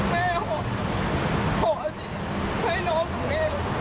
แม่ขอสิให้น้องกับแม่